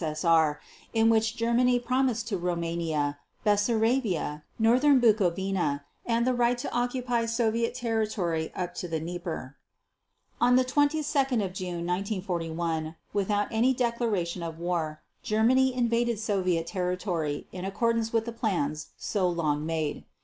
S.S.R., in which Germany promised to Rumania, Bessarabia, Northern Bukovina, and the right to occupy Soviet territory up to the Dnieper. On 22 June 1941, without any declaration of war, Germany invaded Soviet territory in accordance with the plans so long made.